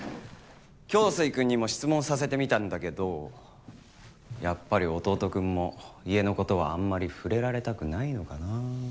京水くんにも質問させてみたんだけどやっぱり弟くんも家の事はあんまり触れられたくないのかな？